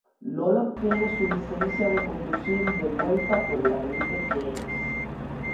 Lola obtiene su licencia de conducir de vuelta por el agente James.